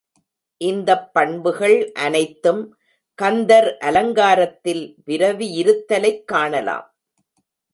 இந்தப் பண்புகள் அனைத்தும் கந்தர் அலங்காரத்தில் விரவியிருத்தலைக் காணலாம்.